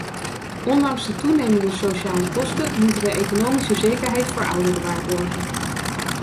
Ondanks de toenemende sociale kosten, moeten wij economische zekerheid voor ouderen waarborgen.